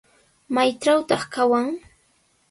¿Maytrawtaq kawan?